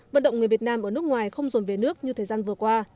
vận động người việt nam ở nước ngoài không dồn về nước như thời gian vừa qua